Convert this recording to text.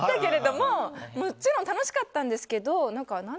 もちろん楽しかったんですけど。